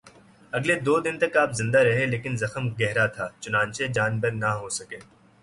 اگلے دو دن تک آپ زندہ رہے لیکن زخم گہرا تھا، چنانچہ جانبر نہ ہو سکے